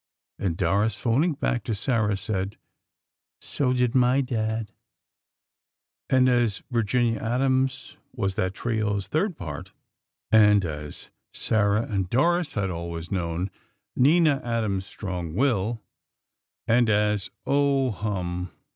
And Doris, phoning back to Sarah, said: "So did my Dad." And, as Virginia Adams was that trio's third part; and as Sarah and Doris had always known Nina Adams' strong will; and as, Oh, hum!